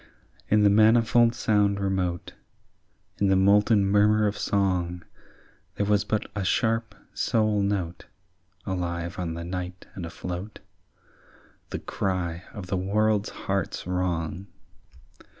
In the manifold sound remote, In the molten murmur of song, There was but a sharp sole note Alive on the night and afloat, The cry of the world's heart's wrong.